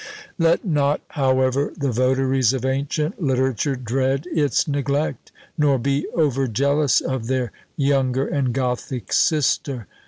Let not, however, the votaries of ancient literature dread its neglect, nor be over jealous of their younger and Gothic sister.